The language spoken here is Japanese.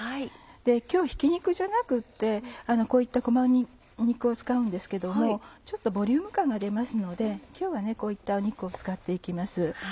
今日ひき肉じゃなくてこういったこま肉を使うんですけどもボリューム感が出ますので今日はこういった肉を使って行きます。